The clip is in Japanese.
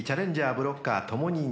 ブロッカー共に２回］